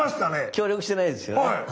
協力してないですよね。